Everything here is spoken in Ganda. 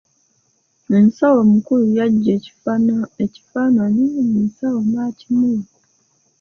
Omusawo omukulu yaggya ekifaananyi mu nsawo n'akimuwa.